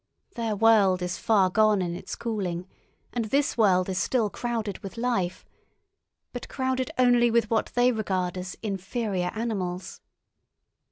Their world is far gone in its cooling and this world is still crowded with life, but crowded only with what they regard as inferior animals.